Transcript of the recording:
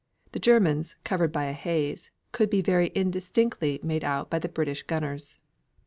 The Germans, covered by a haze, could be very indistinctly made out by the British gunners.